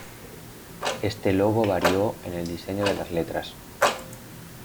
Este logo varió en el diseño de las letras.